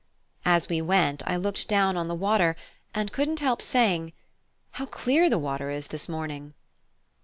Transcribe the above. As we went, I looked down on the water, and couldn't help saying "How clear the water is this morning!"